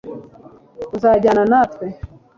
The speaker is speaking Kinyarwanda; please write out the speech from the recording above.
uzajyana natwe